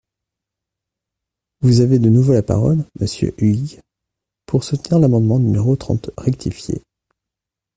Vous avez de nouveau la parole, monsieur Huyghe, pour soutenir l’amendement numéro trente rectifié.